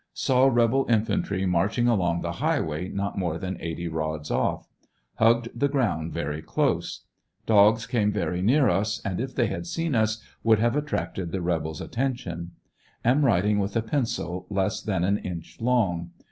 Saw rebel infantry marching along the highway not more than eighty rods off. Hugged the ground very close. Dogs came very near us, and if they had seen us would have attracted the rebels' attention. Am writing with a pencil less than an inch long.